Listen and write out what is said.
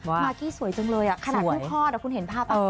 บากี้สวยจังเลยอะขนาดหึ้งคอดนะคุณเห็นภาพอ่ะ